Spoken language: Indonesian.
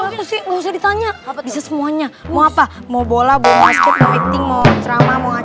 apa sih nggak usah ditanya bisa semuanya mau apa mau bola bola basket mau eating mau ceramah